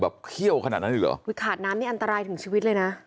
เขี้ยวขนาดนั้นเลยเหรออุ้ยขาดน้ำนี่อันตรายถึงชีวิตเลยนะ